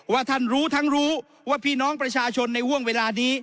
ท่านรู้ทั้งรู้ว่าพี่น้องประชาชนในห่วงเวลานี้